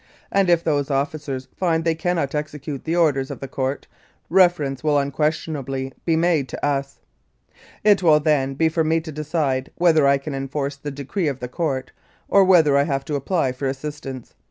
and if those officers find that they cannot execute the orders of the Court, reference will unquestionably be made to us. It will then be for me to decide whether I can enforce the decree of the Court, or whether I have to apply for assistance.